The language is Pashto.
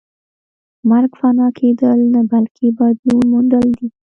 مرګ فنا کېدل نه بلکې بدلون موندل دي